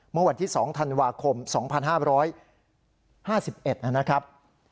เมื่อวันที่๒ธันวาคม๒๕๕๑นะครับ